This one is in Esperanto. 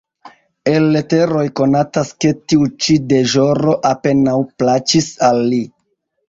El leteroj konatas ke tiu ĉi deĵoro apenaŭ plaĉis al li.